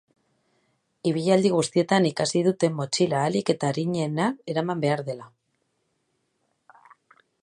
Ibilaldi guztietan ikasi dute motxila ahalik eta arinena eraman behar dela.